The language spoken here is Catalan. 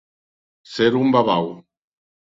Ser un babau.